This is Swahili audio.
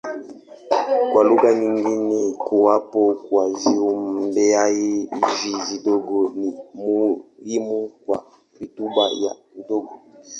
Kwa lugha nyingine kuwepo kwa viumbehai hivi vidogo ni muhimu kwa rutuba ya udongo.